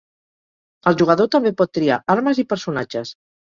El jugador també pot triar armes i personatges.